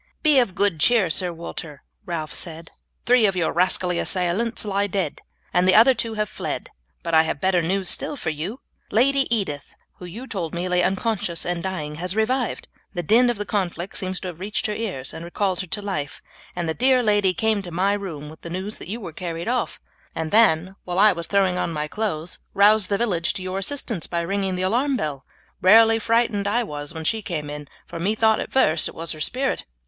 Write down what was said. "Be of good cheer, Sir Walter," Ralph said; "three of your rascally assailants lie dead, and the other two have fled; but I have better news still for you. Lady Edith, who you told me lay unconscious and dying, has revived. The din of the conflict seems to have reached her ears and recalled her to life, and the dear lady came to my room with the news that you were carried off, and then, while I was throwing on my clothes, roused the village to your assistance by ringing the alarm bell. Rarely frightened I was when she came in, for methought at first it was her spirit."